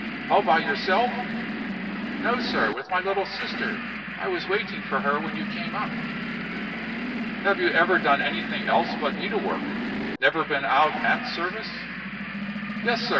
"All by yourself?" "No, sir, with my little sister. I was waiting for her when you came up." "Have you never done anything else but needlework? never been out at service?" "Yes, sir.